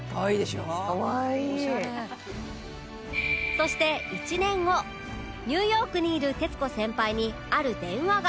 そして１年後ニューヨークにいる徹子先輩にある電話が